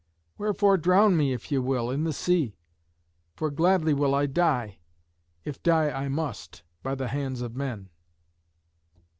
Wherefore drown me, if ye will, in the sea. For gladly will I die, if die I must, by the hands of men."